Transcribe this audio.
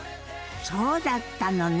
そうだったのね。